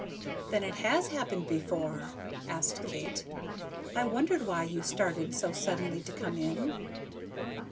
"Then it has happened before?" asked Kate. "I wondered why you started so suddenly to come in."